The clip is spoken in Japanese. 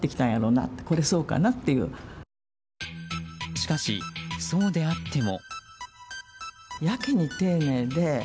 しかし、そうであっても。